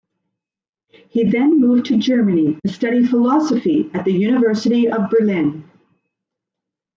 He then moved to Germany, to study philosophy at the University of Berlin.